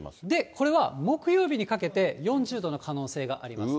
これは木曜日にかけて４０度の可能性があります。